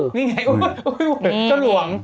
นี่ไงโอ้ยเจ้าหลวง